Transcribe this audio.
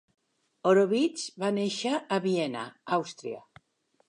Horovitz va néixer a Viena, Àustria.